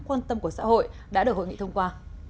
các lĩnh vực đáng quan tâm của xã hội đã được hội nghị thông qua